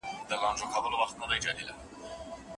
آیا زینه تر لفټ ورو ده؟